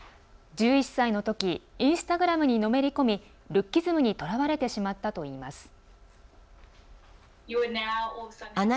１１歳のときインスタグラムにのめり込みルッキズムにとらわれてしまったといいます。